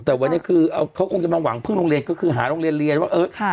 แต่วันนี้คือเขาคงจะมาหวังพึ่งโรงเรียนก็คือหาโรงเรียนเรียนว่าเออ